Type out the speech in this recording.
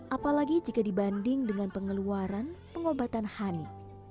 apalagi jika dibanding dengan pengeluaran pengobatan hani